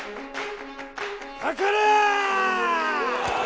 かかれ！